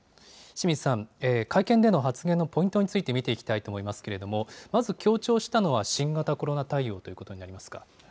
清水さん、会見での発言のポイントについて見ていきたいと思いますけれども、まず強調したのは新型コロナ対応ということになりま